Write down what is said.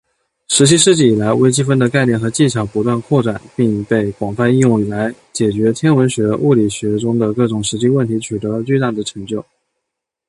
十七世纪以来，微积分的概念和技巧不断扩展并被广泛应用来解决天文学、物理学中的各种实际问题，取得了巨大的成就。